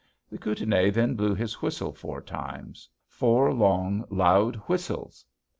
The Kootenai then blew his whistle four times, four long, loud whistles.